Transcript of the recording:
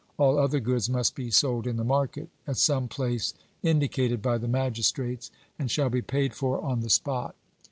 All other goods must be sold in the market, at some place indicated by the magistrates, and shall be paid for on the spot.